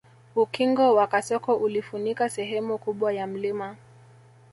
Ukingo wa kasoko ulifunika sehemu kubwa ya mlima